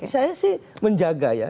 saya sih menjaga ya